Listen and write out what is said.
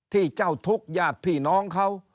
ที่เจ้าทุกข์ญาติพี่น้องเขา